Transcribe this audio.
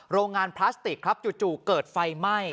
โรงงานพลาสติกครับจู่เกิดไฟไหม้